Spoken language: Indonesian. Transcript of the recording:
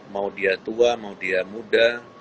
mau dia tua mau dia muda